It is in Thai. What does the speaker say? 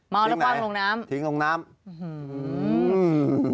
เมาแล้วคว่างลงน้ำทิ้งไหนทิ้งลงน้ำหือ